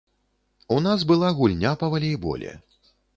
У нас была гульня па валейболе.